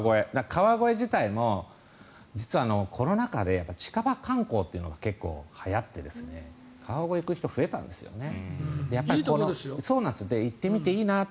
川越自体も実はコロナ禍で近場観光というのが結構はやって川越行く人、増えたんですよね。